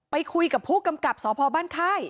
ไปคุยกับผู้กำกับสพบ้านค่าย